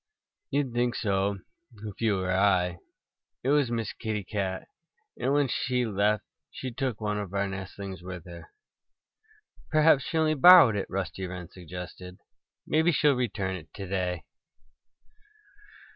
"You'd think so if you were I. It was Miss Kitty Cat. And when she left she took one of our nestlings with her." "Perhaps she only borrowed it," Rusty Wren suggested. "Maybe she'll return it to day."